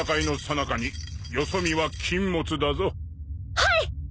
はい！